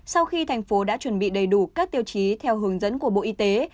sau khi thành phố đã chuẩn bị đầy đủ các tiêu chí theo hướng dẫn của bộ y tế